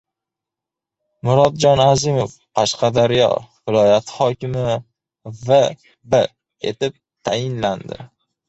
Murotjon Azimov Qashqadaryo viloyati hokimi v.b. etib tayinlandi